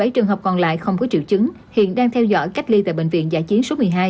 một mươi bảy trường hợp còn lại không có triệu chứng hiện đang theo dõi cách ly tại bệnh viện giải chiến số một mươi hai